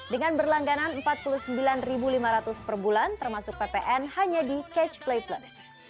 dengan berlangganan rp empat puluh sembilan lima ratus per bulan termasuk ppn hanya di catch play plus